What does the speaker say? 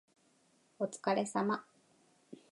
お疲れ様